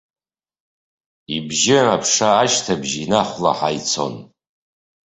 Ибжьы аԥша ашьҭыбжь инахәлаҳа ицон.